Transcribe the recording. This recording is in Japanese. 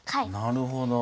なるほど。